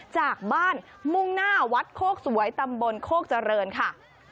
จากบ้านมุ่งหน้าวัดโคกสวยตำบลโคกเจริญค่ะ